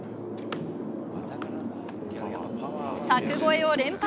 柵越えを連発。